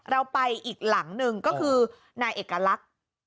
เราไปอีกหลังหนึ่งก็คือนายเอกลักษณ์